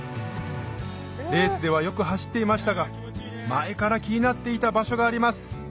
レースではよく走っていましたが前から気になっていた場所があります